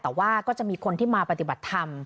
แต่ว่าก็จะมีคนที่มาปฏิบัติธรรม